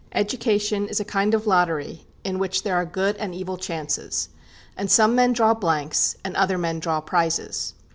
Education is a kind of lottery in which there are good and evil chances, and some men draw blanks and other men draw prizes.